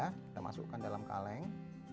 kita masukkan dalam kaleng